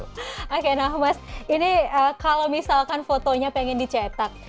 oke nah mas ini kalau misalkan fotonya pengen dicetak